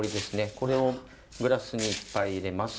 これをグラスにいっぱい入れます。